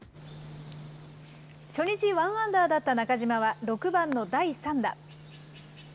初日、ワンアンダーだった中島は６番の第３打。